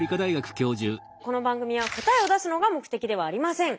この番組は答えを出すのが目的ではありません。